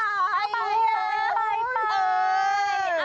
ไปไปไปไปไปเออเออเออเออ